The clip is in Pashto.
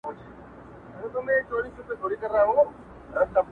ما ویل چي یو سالار به پیدا کیږي؛